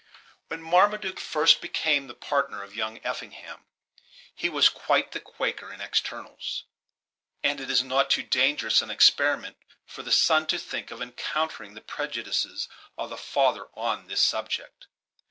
When Marmaduke first became the partner of young Effingham, he was quite the Quaker in externals; and it was too dangerous an experiment for the son to think of encountering the prejudices of the father on this subject.